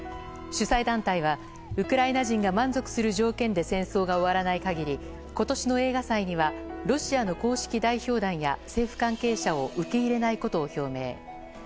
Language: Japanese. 主催団体はウクライナ人が満足する条件で戦争が終わらない限り今年の映画祭にはロシアの公式代表団や政府関係者を受け入れないことを表明。